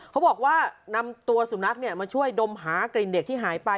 เขาบอกว่านำตัวสุนัขมาช่วยดมหากลิ่นเด็กที่หายไป